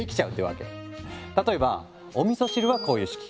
例えばおみそ汁はこういう式。